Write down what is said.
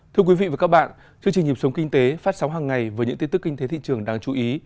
thưa quý vị và các bạn chương trình nhịp sống kinh tế phát sóng hàng ngày với những tin tức kinh tế thị trường đáng chú ý